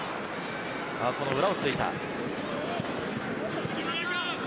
裏をついた。